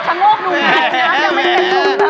ฉันโง่งดูหน้าที่น้ำยังไม่เคยทุ่งเลย